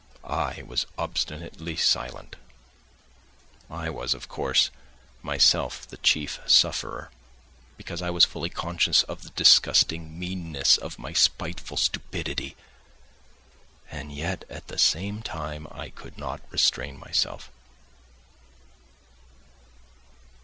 I was obstinately silent. I was, of course, myself the chief sufferer, because I was fully conscious of the disgusting meanness of my spiteful stupidity, and yet at the same time I could not restrain myself.